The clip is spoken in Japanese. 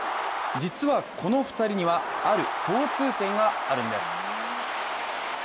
実はこの２人には、ある共通点があるんです。